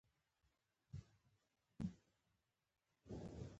ابوزید په کمپیوټر کې اذان وختونه تنظیم کړي وو.